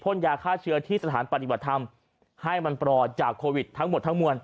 ยาฆ่าเชื้อที่สถานปฏิบัติธรรมให้มันปลอดจากโควิดทั้งหมดทั้งมวล